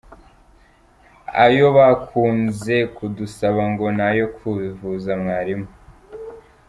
Ayo bakunze kudusaba ngo ni ayo kuvuza mwarimu.